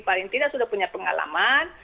paling tidak sudah punya pengalaman